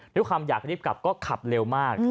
ด้วยความอยากรีบกลับก็ขับเร็วมาก